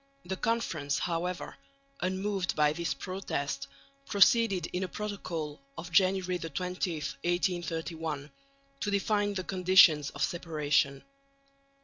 The Conference, however, unmoved by this protest, proceeded in a protocol of January 20,1831, to define the conditions of separation.